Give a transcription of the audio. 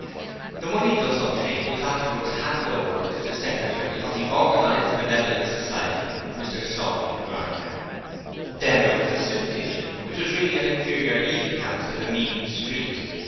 The money thus obtained was afterwards handed over to the Secretary of the Organized Benevolence Society, Mr Sawney Grinder. Then there was the Soup Kitchen, which was really an inferior eating house in a mean street.